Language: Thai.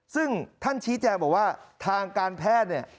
ซึ่งท่านชี้แจงบอกว่าทางการแพทย์เนี่ย